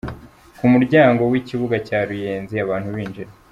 Ku muryango w'ikibuga cya Ruyenzi abantu binjira.